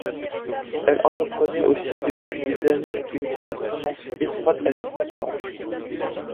Elle entretenait aussi depuis des années une correspondance étroite avec Michel-Ange.